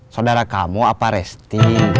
saudara kamu apa resti